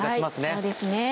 そうですね。